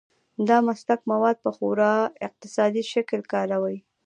دا مسلک مواد په خورا اقتصادي شکل کاروي.